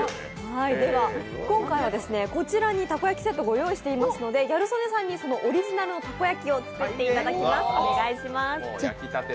今回はこちらにたこ焼きセットをご用意していますのでギャル曽根さんにオリジナルのたこ焼きを作っていただきます。